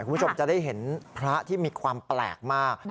คุณผู้ชมจะได้เห็นพระที่มีความแปลกมาก